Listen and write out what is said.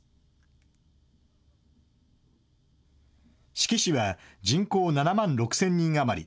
志木市は人口７万６０００人余り。